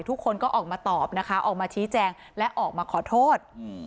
ทุกคนก็ออกมาตอบนะคะออกมาชี้แจงและออกมาขอโทษอืม